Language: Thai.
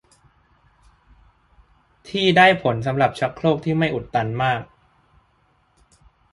ที่ได้ผลสำหรับชักโครกที่ไม่อุดตันมาก